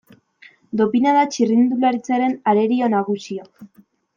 Dopina da txirrindularitzaren arerio nagusia.